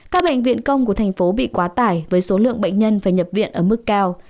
các bệnh viện công của thành phố bị quá tải với số lượng bệnh nhân phải nhập viện ở mức cao